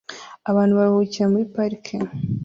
Abantu baruhukira muri parike